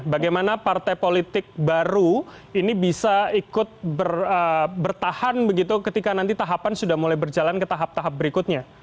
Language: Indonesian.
bagaimana partai politik baru ini bisa ikut bertahan begitu ketika nanti tahapan sudah mulai berjalan ke tahap tahap berikutnya